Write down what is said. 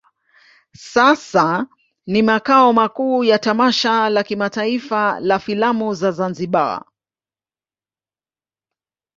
Sasa ni makao makuu ya tamasha la kimataifa la filamu la Zanzibar.